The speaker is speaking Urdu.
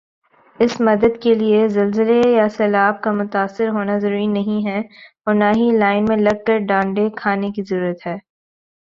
اس مدد کیلئے زلزلہ یا سیلاب کا متاثر ہونا ضروری نہیں ھے اور نہ ہی لائن میں لگ کر ڈانڈے کھانے کی ضرورت ھے